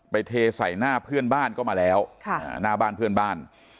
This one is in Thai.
เทใส่หน้าเพื่อนบ้านก็มาแล้วหน้าบ้านเพื่อนบ้าน